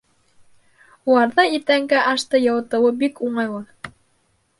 Уларҙа иртәнге ашты йылытыуы бик уңайлы.